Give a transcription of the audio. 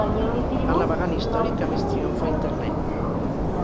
El navegant històric que més triomfa a internet.